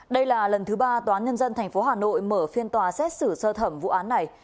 đây là lần thứ ba tnth hà nội mở phiên tòa xét xử sơ thẩm vụ án này